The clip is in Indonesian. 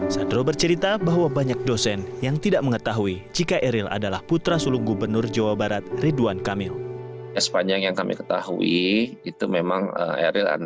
sadro bercerita bahwa banyak dosen yang tidak mengetahui jika eril adalah putra sulung gubernur jawa barat ridwan kamil